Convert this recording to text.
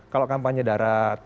kalau kampanye darat